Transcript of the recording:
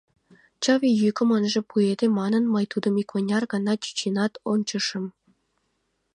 Чыве йӱкым ынже пуэде манын, мый тудым икмыняр гана чӱченат ончышым.